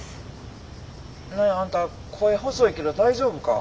何やあんた声細いけど大丈夫か？